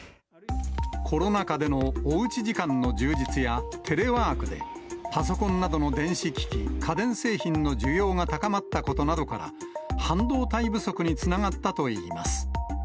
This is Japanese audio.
コロナ禍でのおうち時間の充実やテレワークで、パソコンなどの電子機器、家電製品の需要が高まったことなどから、半導体不足につながったといいます。